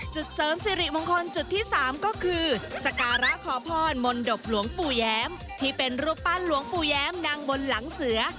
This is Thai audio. เสริมสิริมงคลจุดที่๓ก็คือสการะขอพรมนตบหลวงปู่แย้มที่เป็นรูปปั้นหลวงปู่แย้มนั่งบนหลังเสือ